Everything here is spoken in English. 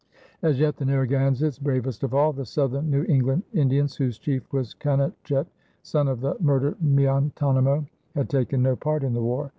As yet the Narragansetts, bravest of all the southern New England Indians, whose chief was Canonchet, son of the murdered Miantonomo, had taken no part in the war.